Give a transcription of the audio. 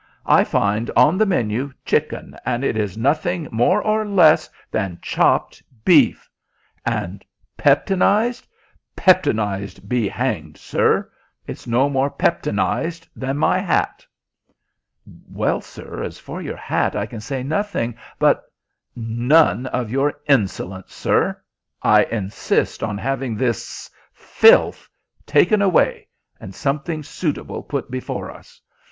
I find on the menu, chicken, and it is nothing more nor less than chopped beef. And 'peptonized' peptonized be hanged, sir! It's no more peptonized than my hat!" "Well, sir, as for your hat I can say nothing, but " "None of your insolence, sir. I insist on having this filth taken away and something suitable put before us.